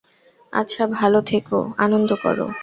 আচ্ছা, ভালো থেকো, আনন্দ কর।